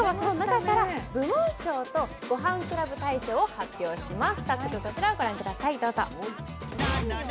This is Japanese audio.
今日はその中から部門賞とごはんクラブ大賞を発表します。